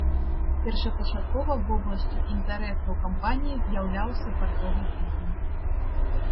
Першапачаткова вобласцю інтарэсаў кампаніі з'яўляўся партовы бізнес.